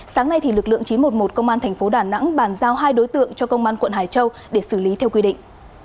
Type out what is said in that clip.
sáng nay lực lượng chín trăm một mươi một công an thành phố đà nẵng bàn giao hai đối tượng cho công an quận hải châu để xử lý theo quy định